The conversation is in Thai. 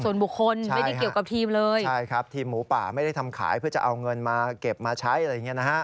ส่วนบุคคลไม่ได้เกี่ยวกับทีมเลยใช่ครับทีมหมูป่าไม่ได้ทำขายเพื่อจะเอาเงินมาเก็บมาใช้อะไรอย่างเงี้นะฮะ